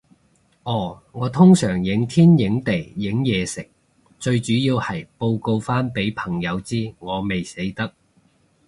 哦，我通常影天影地影嘢食，最主要係報告返畀朋友知，我未死得